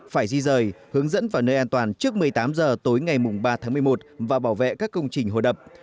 phải di rời hướng dẫn vào nơi an toàn trước một mươi tám h tối ngày ba tháng một mươi một và bảo vệ các công trình hồ đập